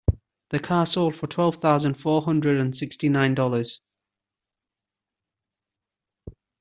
The car sold for twelve thousand four hundred and sixty nine dollars.